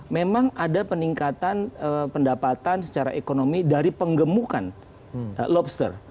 memang ada peningkatan pendapatan secara ekonomi dari penggemukan lobster